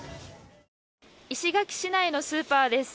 石垣市内のスーパーです。